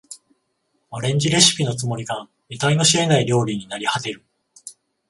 アレンジレシピのつもりが得体の知れない料理になりはてる